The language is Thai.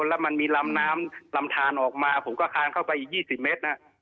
แล้วมันมีลำน้ำลำทานออกมาผมก็คานเข้าไปอีก๒๐เมตร